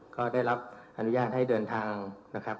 ก็ได้รับอนุญาตให้เดินทางนะครับ